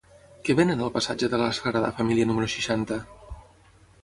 Què venen al passatge de la Sagrada Família número seixanta?